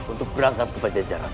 untuk berangkat kepada jajaran